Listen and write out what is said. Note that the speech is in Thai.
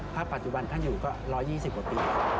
ถ้าปัจจุบันท่านอยู่ก็๑๒๐กว่าปี